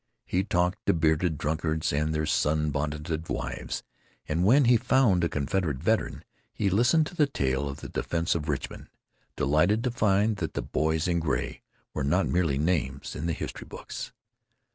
He talked to bearded Dunkards and their sunbonneted wives; and when he found a Confederate veteran he listened to the tale of the defense of Richmond, delighted to find that the Boys in Gray were not merely names in the history books.